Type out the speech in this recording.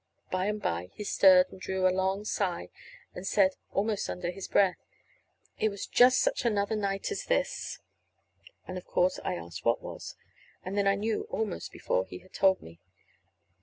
By and by he stirred and drew a long sigh, and said, almost under his breath: "It was just such another night as this." And of course, I asked what was and then I knew, almost before he had told me.